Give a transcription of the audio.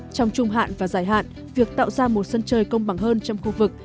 trong trung hạn và dài hạn việc tạo ra một sân chơi công bằng hơn trong khu vực